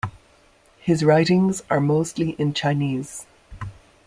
His writings are mostly in Chinese.